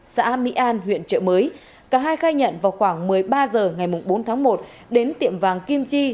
xã mỹ an huyện trợ mới cả hai khai nhận vào khoảng một mươi ba h ngày bốn tháng một đến tiệm vàng kim chi